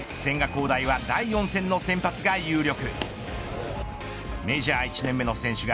滉大は第４戦の先発が有力。